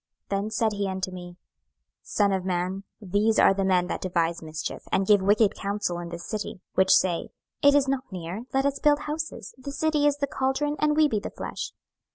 26:011:002 Then said he unto me, Son of man, these are the men that devise mischief, and give wicked counsel in this city: 26:011:003 Which say, It is not near; let us build houses: this city is the caldron, and we be the flesh.